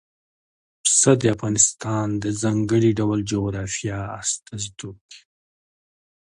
پسه د افغانستان د ځانګړي ډول جغرافیه استازیتوب کوي.